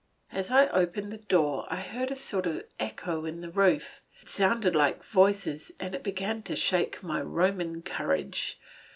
As I opened the door I heard a sort of echo in the roof; it sounded like voices and it began to shake my Roman courage.